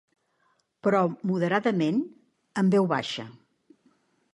Però moderadament, en veu baixa.